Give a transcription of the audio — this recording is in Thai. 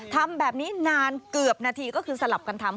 ทำแบบนี้นานเกือบนาทีก็คือสลับกันทำ